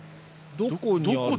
どこ？